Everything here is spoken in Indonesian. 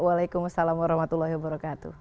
waalaikumsalam warahmatullahi wabarakatuh